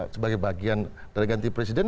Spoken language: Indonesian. sebagai bagian dari ganti presiden